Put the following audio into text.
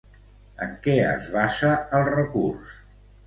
En què es basa el recurs?